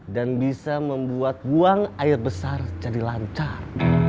dan bisa membuat buang air besar jadi lancar